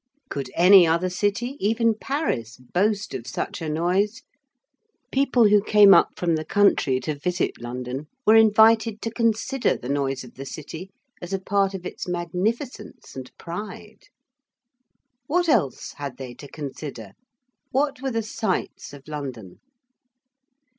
Could any other city even Paris boast of such a noise? People who came up from the country to visit London were invited to consider the noise of the City as a part of its magnificence and pride. What else had they to consider? What were the sights of London?